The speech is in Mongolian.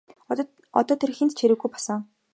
Одоо тэр хэнд ч хэрэггүй болсон.